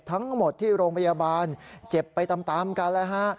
ทั้งหมดที่โรงพยาบาลเจ็บไปตามกันแล้วฮะ